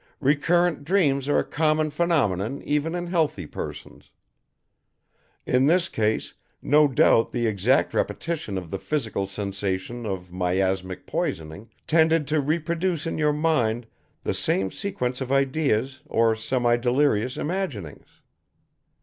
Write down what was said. Recurrent dreams are a common phenomenon even in healthy persons. In this case, no doubt the exact repetition of the physical sensations of miasmic poisoning tended to reproduce in your mind the same sequence of ideas or semi delirious imaginings.